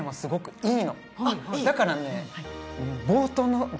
だからね。